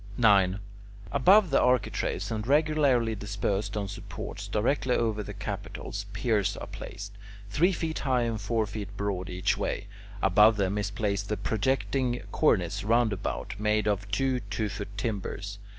9. Above the architraves and regularly dispersed on supports directly over the capitals, piers are placed, three feet high and four feet broad each way. Above them is placed the projecting cornice round about, made of two two foot timbers.